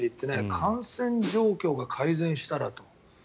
感染状況が改善したらと。